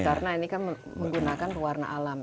karena ini kan menggunakan pewarna alam